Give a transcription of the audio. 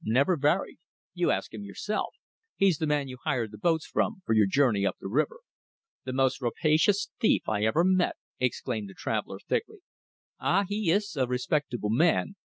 Never varied. You ask him yourself. He's the man you hired the boats from, for your journey up the river." "The most rapacious thief I ever met!" exclaimed the traveller, thickly. "Ah! He is a respectable man.